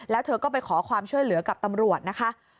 แล้วเธอก็ไปขอความช่วยเหลือกับตำรวจนะคะ